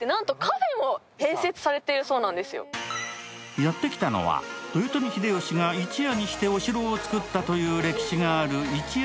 やってきたのは、豊臣秀吉が一夜にしてお城を作ったという歴史がある一夜